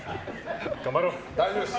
大丈夫です。